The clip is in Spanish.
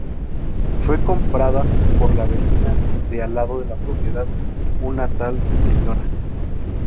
Fue comprada por la vecina de al lado de la propiedad, una tal Sra.